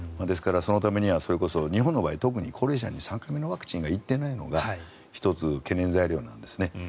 ですからそのためにはそれこそ日本の場合、特に高齢者に３回目のワクチンが行っていないのが１つ、懸念材料なんですね。